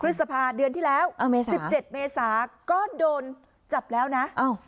พฤษภาคุณเดือนที่แล้วเอาเมษาสิบเจ็ดเมษาก็โดนจับแล้วนะอ้าว